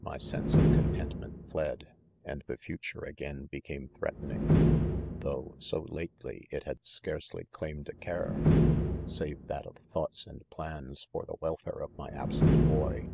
My sense of contentment fled \ and the future again became threatening ; though, so lately, it had scarcely claimed a care, save that of .thoughts and plans for the welfare of my absent boy.